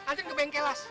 anterin ke bengkelas